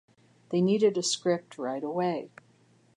They needed a script right away.